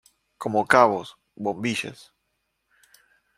como cabos, bombillas.